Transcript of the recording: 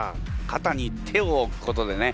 肩に手を置くことでね